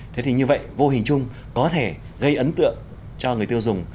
thế thì như vậy vô hình chung có thể gây ấn tượng cho người tiêu dùng